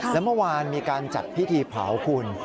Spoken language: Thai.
และเมื่อวานมีการจัดพิธีเผาคุณ